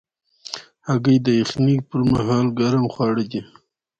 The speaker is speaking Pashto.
هګۍ د یخنۍ پر مهال ګرم خواړه دي.